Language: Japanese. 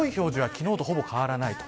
昨日とほぼ変わらない。